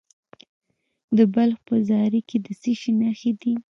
د بلخ په زاري کې د څه شي نښې دي؟